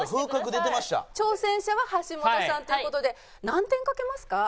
挑戦者は橋本さんという事で何点賭けますか？